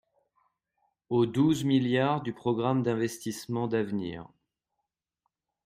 Aux douze milliards du programme d’investissements d’avenir